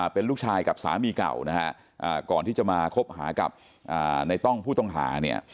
เป็นลูกชายกับสามีเก่านะฮะก่อนที่จะมาคบหากับในต้องผู้ต้องหาเนี่ย